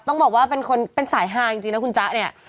ต้องบอกว่าเป็นคนเป็นสายฮาจริงนะคุณจ๊ะเนี่ย